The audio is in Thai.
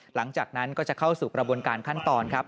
หลังจากนั้นก็จะเข้าสู่กระบวนการขั้นตอนครับ